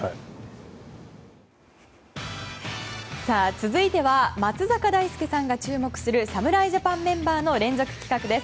続いては松坂大輔さんが注目する侍ジャパンメンバーの連続企画です。